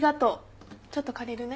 ちょっと借りるね。